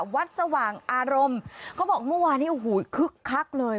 สว่างอารมณ์เขาบอกเมื่อวานนี้โอ้โหคึกคักเลย